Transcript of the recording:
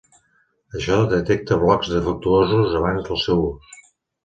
Això detecta blocs defectuosos abans del seu ús.